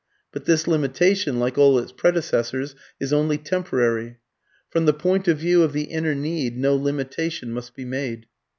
But this limitation, like all its predecessors, is only temporary. From the point of view of the inner need, no limitation must be made.